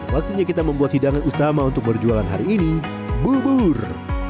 waktunya kita membuat hidangan utama untuk berjualan hari ini bubur